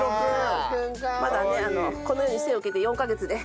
まだねこの世に生を受けて４カ月で。